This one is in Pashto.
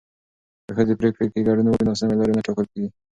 که ښځې پرېکړو کې ګډون وکړي، ناسمې لارې نه ټاکل کېږي.